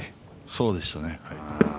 そうでしたね。